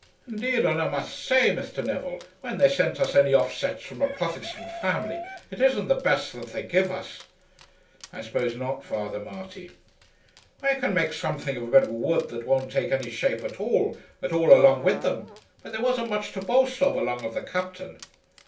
'Deed and I must say, Mr. Neville, when they send us any offsets from a Prothestant family it isn't the best that they give us." "I suppose not, Father Marty." "We can make something of a bit of wood that won't take ony shape at all, at all along wid them. But there wasn't much to boast of along of the Captain."